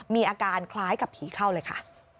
มีอาการคล้ายกับผีเข้าเลยค่ะ